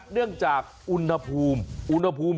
เนื่องจากอุณหภูมิ